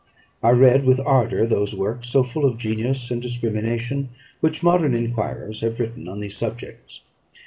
I read with ardour those works, so full of genius and discrimination, which modern enquirers have written on these subjects.